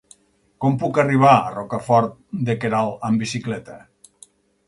Com puc arribar a Rocafort de Queralt amb bicicleta?